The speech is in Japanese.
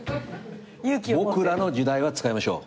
『ボクらの時代』は使いましょう。